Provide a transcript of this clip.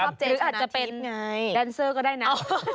หรืออาจจะเป็นแดนเซอร์ก็ได้นะ